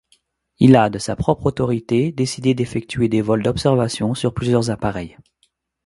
Il a, de sa propre autorité, décidé d'effectuer des vols d'observation sur plusieurs appareils.